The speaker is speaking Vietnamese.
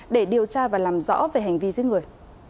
để điều tra và làm rõ về hành vi giết người